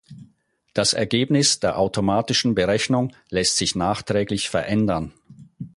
Das Ergebnis der automatischen Berechnung lässt sich nachträglich verändern.